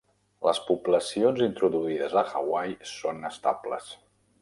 Les poblacions introduïdes a Hawaii són estables.